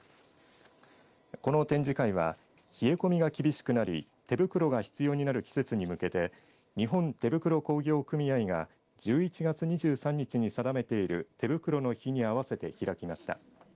この展示会は冷え込みが厳しくなり手袋が必要になる季節に向けて日本手袋工業組合が１１月２３日に定めている手袋の日に合わせて開きました。